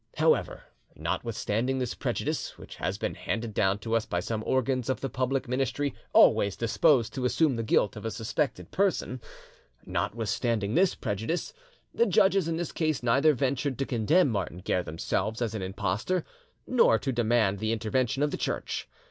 However, notwithstanding this prejudice, which has been handed down to us by some organs of the public ministry always disposed to assume the guilt of a suspected person,—notwithstanding this prejudice, the judges in this case neither ventured to condemn Martin Guerre themselves as an impostor, nor to demand the intervention of the Church.